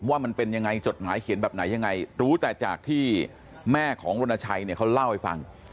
ว่ามันเป็นยังไงจดหมายเขียนแบบไหนยังไงรู้แต่จากที่แม่ของรณชัยเนี่ยเขาเล่าให้ฟัง